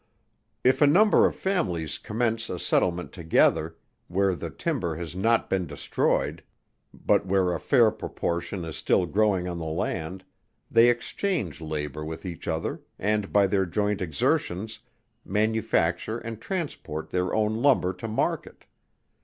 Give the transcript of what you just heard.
If a number of families commence a settlement together, where the timber has not been destroyed, but where a fair proportion is still growing on the land, they exchange labour with each other, and by their joint exertions, manufacture and transport their own lumber to market.